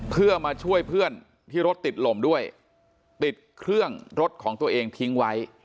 เพื่อมาช่วยเพื่อนที่รถติดลมด้วยติดเครื่องรถของตัวเองทิ้งไว้